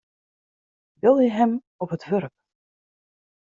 Belje him op it wurk.